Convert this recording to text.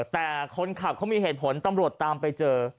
แต่คนขับเขามีเหตุผลตำรวจตามไปเจอ